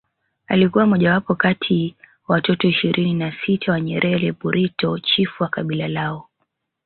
Alikuwa mojawapo kati watoto ishirini na sita wa Nyerere Burito chifu wa kabila lao